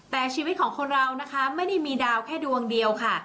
แต่ชีวิตของคนเรานะคะไม่ได้มีดาวแค่ดวงเดียวค่ะ